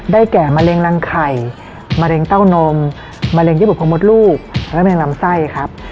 แก่มะเร็งรังไข่มะเร็งเต้านมมะเร็งญี่ปุ่นของมดลูกและแมงลำไส้ครับ